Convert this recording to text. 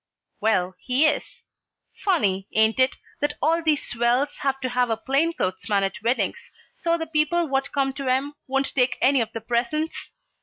"Well, he is. Funny, ain't it, that all these swells have to have a plain clothes man at weddings so the people what come to 'em won't take any of the presents?